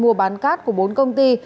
mua bán cát của bốn công ty